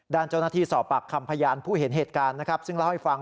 ด้านเจ้าหน้าที่สอบปากคำพยานผู้เห็นเหตุการณ์นะครับซึ่งเล่าให้ฟัง